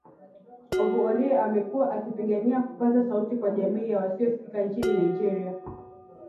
Ovuorie amekuwa akipigania kupaza sauti kwa jamii ya wasiosikika nchini Nigeria